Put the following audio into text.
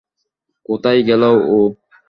কোথায় গেল ও?